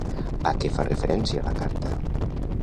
A què fa referència la carta?